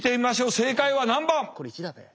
正解は何番。